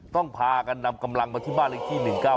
ต้องพากันนำกำลังไปที่บ้านอื่นที่๑๙๕